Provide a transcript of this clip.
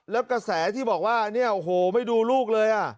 แล้วกระแสที่บอกว่าเนี่ยโอ้โหไม่ดูลูกเลย